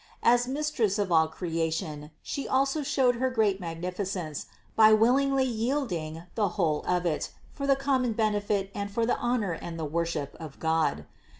As Mistress of all creation She also showed her great magnificence by willingly yielding the whole of it for the common benefit and for the honor and the worship of God.